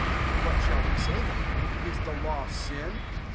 / 7 What shall we say then ? Is the law sin?